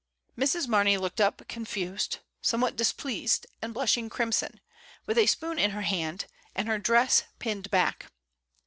Mrs. Marney looked up confused, somewhat displeased, and blushing crimson, with a spoon in her hand and her dress pinned back.